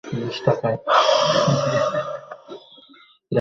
জলদি, মার।